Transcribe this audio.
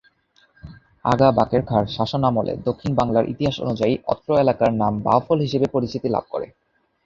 আগা বাকের খাঁর শাসন আমলে দক্ষিণ বাংলার ইতিহাস অনুযায়ী অত্র এলাকার নাম বাউফল হিসেবে পরিচিতি লাভ করে।